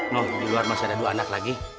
loh di luar masih ada dua anak lagi